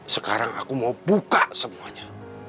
sekarang aku mau buka semuanya